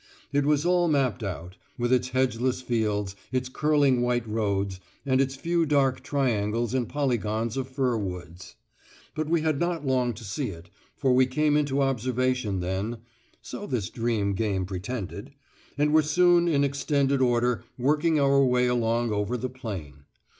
It was all mapped out, with its hedgeless fields, its curling white roads, and its few dark triangles and polygons of fir woods. But we had not long to see it, for we came into observation then (so this dream game pretended!) and were soon in extended order working our way along over the plain.